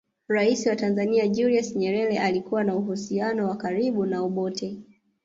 Rais wa Tanzania Julius Nyerere alikuwa na uhusiano wa karibu na Obote